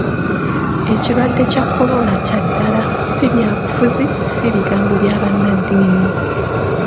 Ekirwadde kya korona kya ddala, si byabufuzi, si bigambo bya bannaddiini .